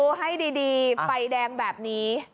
ดูให้ดีฟัยแดงแบบนี้